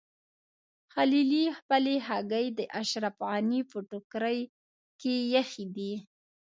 خلیلي خپلې هګۍ د اشرف غني په ټوکرۍ کې ایښي دي.